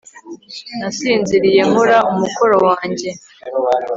nasinziriye nkora umukoro wanjye